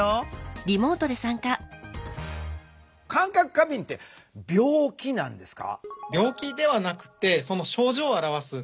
過敏って病気なんですか？